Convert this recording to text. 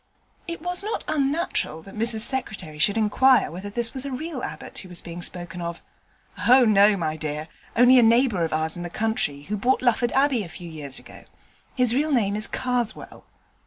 It was not unnatural that Mrs Secretary should inquire whether this was a real Abbot who was being spoken of. 'Oh no, my dear: only a neighbour of ours in the country who bought Lufford Abbey a few years ago. His real name is Karswell.'